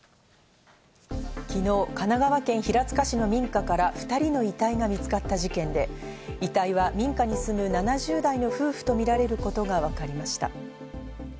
昨日、神奈川県平塚市の民家から２人の遺体が見つかった事件で、遺体は民家に住む７０代の夫婦とみられることがわかりました。